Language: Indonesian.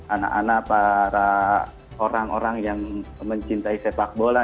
anak anak para orang orang yang mencintai sepak bola